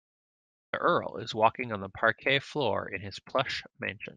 The earl is walking on the parquet floor in his plush mansion.